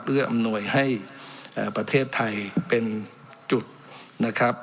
อำนวยให้ประเทศไทยเป็นจุดนะครับ